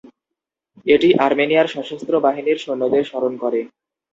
এটি আর্মেনিয়ার সশস্ত্র বাহিনীর সৈন্যদের স্মরণ করে।